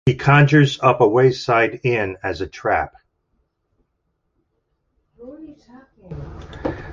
She conjures up a wayside inn as a trap.